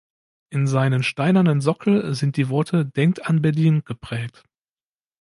In seinen steinernen Sockel sind die Worte "Denkt an Berlin" geprägt.